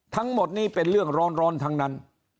ทั้งหมดนี้เป็นเรื่องร้อนทั้งนั้น